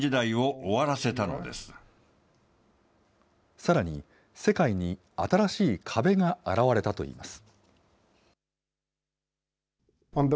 さらに、世界に新しい壁が現れたといいます。